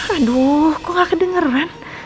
aduh kok gak kedengeran